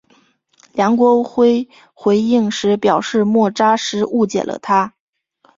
梁国辉回应时表示莫礼时误解了他。